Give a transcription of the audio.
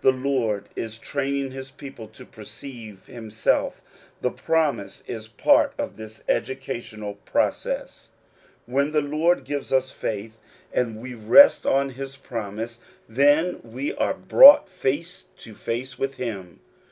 The Lord is training his people to iperceive himself: the promise is part of this educa ional process. When the Lord gives us faith, and we rest on his promise, then are we brought face to face with him.